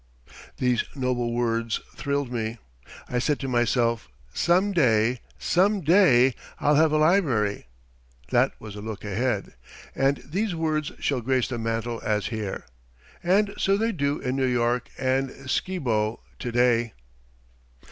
These noble words thrilled me. I said to myself, "Some day, some day, I'll have a library" (that was a look ahead) "and these words shall grace the mantel as here." And so they do in New York and Skibo to day.